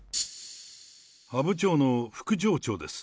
阿武町の副町長です。